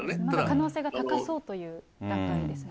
可能性が高そうという段階ですね。